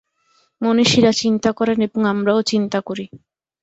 মনীষীরা চিন্তা করেন এবং আমরাও চিন্তা করি।